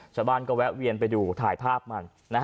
ชาวบ้านก็แวะเวียนไปดูถ่ายภาพมัน